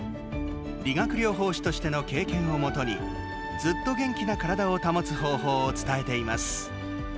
理学療法士としての経験をもとにずっと元気な体を保つ方法を伝えています。